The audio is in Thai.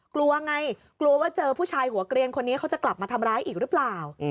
กลัวไงกลัวว่าเจอผู้ชายหัวเกลียนคนนี้เขาจะกลับมาทำร้ายอีกหรือเปล่า